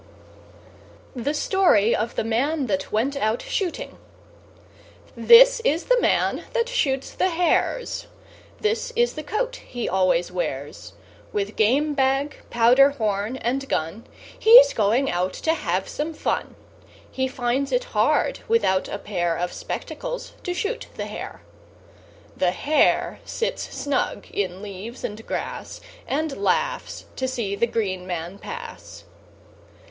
The Story of the Man that went out Shooting This is the man that shoots the hares; This is the coat he always wears: With game bag, powder horn, and gun He's going out to have some fun. He finds it hard, without a pair Of spectacles, to shoot the hare. The hare sits snug in leaves and grass, And laughs to see the green man pass.